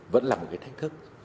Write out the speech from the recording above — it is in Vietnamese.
vẫn là một cái thách thức